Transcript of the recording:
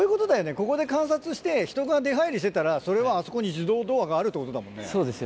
ここで観察して人が出入りしてたらそれはあそこに自動ドアがあるってことだもんね。